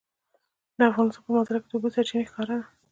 د افغانستان په منظره کې د اوبو سرچینې ښکاره ده.